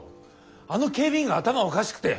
あの警備員が頭おかしくて。